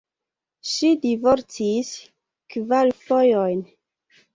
Ŝi divorcis kvar fojojn.